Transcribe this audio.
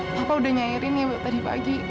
papa sudah nyairin ya tadi pagi